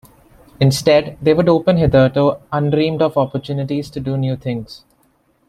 Instead, they would open hitherto undreamed of opportunities to do new things.